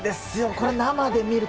これ、生で見ると。